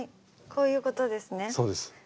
こういうことですね。